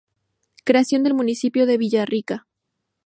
Creación del Municipio de Villarrica